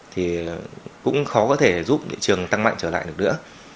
thì cũng khó có thể giúp thị trường tăng mạnh trở lại được nữa